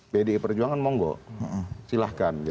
pdi perjuangan monggo silahkan